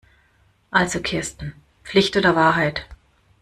Also Kirsten, Pflicht oder Wahrheit?